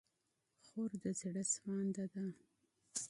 خور د زړه سوانده ده.